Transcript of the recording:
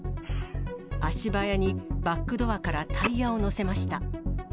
足早にバックドアからタイヤを載せました。